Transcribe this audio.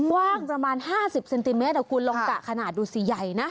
กว้างประมาณ๕๐เซนติเมตรคุณลองกะขนาดดูสิใหญ่นะ